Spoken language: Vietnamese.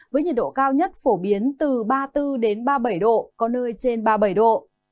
với nhiệt độ cao nhất phổ biến từ ba mươi bốn ba mươi bảy độ có nơi trên ba mươi bảy độ